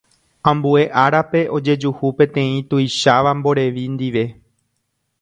Ambue árape ojejuhu peteĩ tuicháva mborevi ndive.